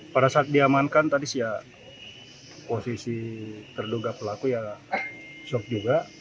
pada saat diamankan tadi posisi terduga pelaku ya shock juga